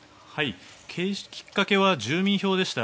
きっかけは住民票でした。